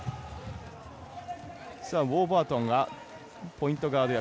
ウォーバートンはポイントガード役。